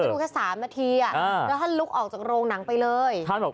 ถ้าท่านจะดูแค่๓นาทีแล้วท่านลุกออกจากโรงหนังไปเลย